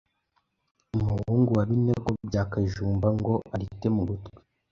Umuhungu we Binego bya Kajumba ngo arite mu gutwi,